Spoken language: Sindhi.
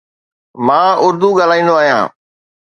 مان اردو ڳالهائيندو آهيان.